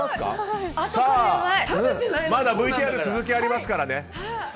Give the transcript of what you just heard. まだＶＴＲ続きありますからね。